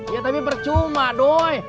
ya tapi bercuma doi